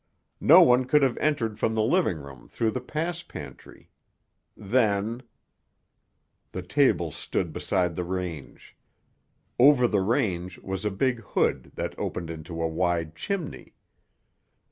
No one could have entered from the living room through the pass pantry. Then—— The table stood beside the range. Over the range was a big hood that opened into a wide chimney.